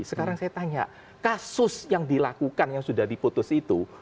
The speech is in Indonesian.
sekarang saya tanya kasus yang dilakukan yang sudah diputus itu